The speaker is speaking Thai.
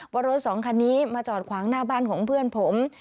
ว่ารถสองคันนี้มาจอดขวางหน้าบ้านของเพื่อนผม